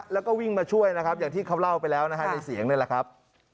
แล้วก็วิ่งมาช่วยนะครับอย่างที่เขาเล่าไปแล้วนะฮะในเสียงนี่แหละครับ